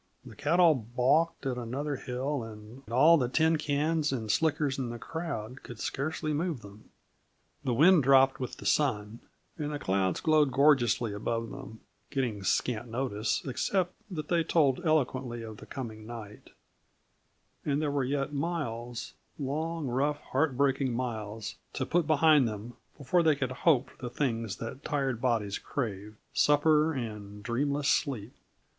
The cattle balked at another hill, and all the tincans and slickers in the crowd could scarcely move them. The wind dropped with the sun, and the clouds glowed gorgeously above them, getting scant notice, except that they told eloquently of the coming night; and there were yet miles long, rough, heartbreaking miles to put behind them before they could hope for the things their tired bodies craved: supper and dreamless sleep.